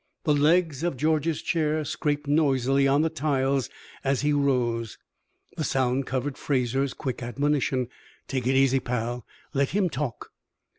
The legs of George's chair scraped noisily on the tiles as he rose; the sound covered Fraser's quick admonition: "Take it easy, pal; let him talk."